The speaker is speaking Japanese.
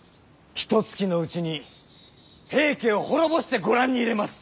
ひとつきのうちに平家を滅ぼしてご覧に入れます。